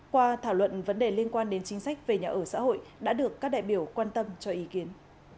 qua thảo luận vấn đề liên quan đến chính sách về nhà ở xã hội đã được các đại biểu quan tâm cho ý kiến